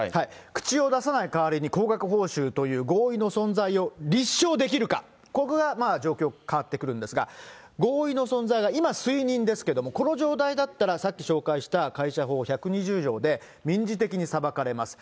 口を出さない代わりに高額報酬という合意の存在を立証できるか、ここが状況、変わってくるんですが、合意の存在が今、推認ですけれども、この状態だったら、さっき紹介した会社法１２０条で民事的に裁かれます。